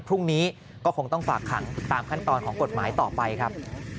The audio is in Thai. พรุ่งนี้ก็คงต้องฝากขังตามขั้นตอนของกฎหมายต่อไปครับ